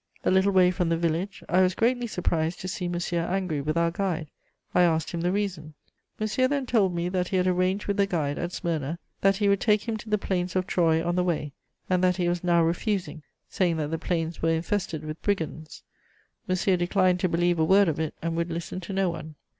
A little way from the village, I was greatly surprised to see Monsieur angry with our guide; I asked him the reason. Monsieur then told me that he had arranged with the guide, at Smyrna, that he would take him to the plains of Troy on the way, and that he was now refusing, saying that the plains were infested with brigands. Monsieur declined to believe a word of it, and would listen to no one.